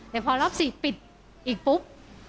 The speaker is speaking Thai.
แต่พอรอบ๔ปิดอีกปุ๊บ